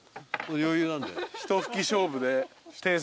余裕なんで。